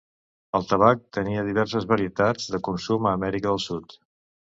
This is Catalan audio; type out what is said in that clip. El tabac tenia diverses varietats de consum a Amèrica del Sud.